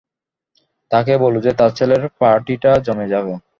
তাকে বলো যে, তার ছেলের পার্টিটা জমে যাবে।